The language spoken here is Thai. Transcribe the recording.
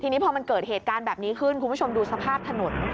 ทีนี้พอมันเกิดเหตุการณ์แบบนี้ขึ้นคุณผู้ชมดูสภาพถนน